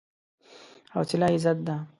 حوصله عزت ده.